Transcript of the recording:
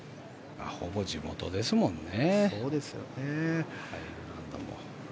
ほぼ地元ですもんね。